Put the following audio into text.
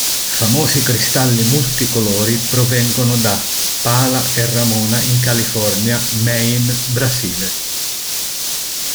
Famosi cristalli multicolori provengono da: Pala e Ramona in California, Maine, Brasile.